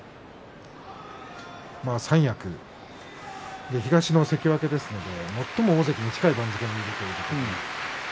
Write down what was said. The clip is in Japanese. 三役、東の関脇ですので最も大関に近い番付にいるという。